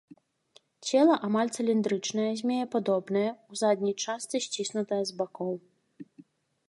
Цела амаль цыліндрычнае, змеепадобнае, у задняй частцы сціснутае з бакоў.